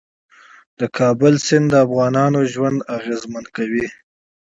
د کابل سیند د افغانانو ژوند اغېزمن کوي.